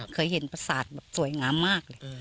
เคยเห็นประสาทแบบสวยงามมากเลย